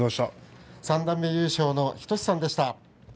三段目優勝の日翔志さんでした。